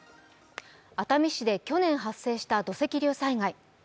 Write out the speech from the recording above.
熱海市で去年発生した土石流災害。